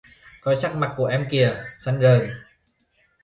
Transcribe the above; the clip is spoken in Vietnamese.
Coi sắc mặt của em kìa xanh rờn